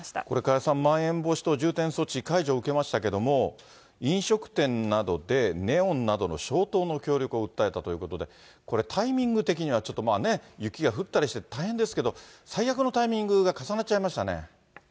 これ、加谷さん、まん延防止等重点措置、解除を受けましたけれども、飲食店などでネオンなどの消灯の協力を訴えたということで、これ、タイミング的にはちょっとね、雪が降ったりして、大変ですけど、最悪のタイミングが重なっちゃいましたね。